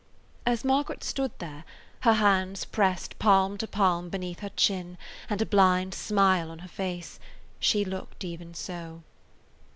As Margaret stood there, her hands pressed palm to palm beneath her chin and a blind smile on her face, she looked even so.